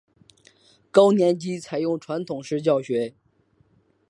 高年级采用传统式教学。